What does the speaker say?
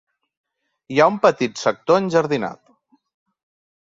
Hi ha un petit sector enjardinat.